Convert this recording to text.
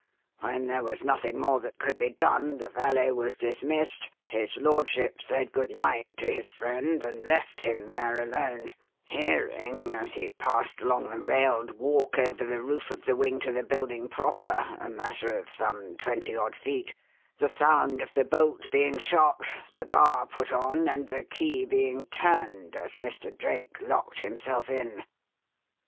When there was nothing more that could be done, the valet was dismissed, his lordship said good night to his friend and left him there alone, hearing, as he passed along the railed walk over the roof of the wing to the building proper (a matter of some twenty odd feet) the sound of the bolt being shot, the bar put on, and the key being turned as Mr. Drake locked himself in.